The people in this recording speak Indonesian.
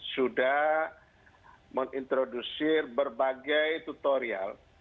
sudah menginterdusir berbagai tutorial